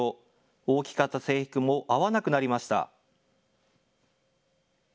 大きかった制服も合わなくなりました。